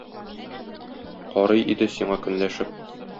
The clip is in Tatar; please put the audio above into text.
Карый иде сиңа көнләшеп.